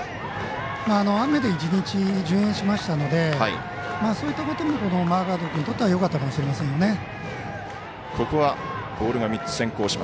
雨で１日順延しましたのでそういったこともマーガード君にとってはよかったかもしれませんね。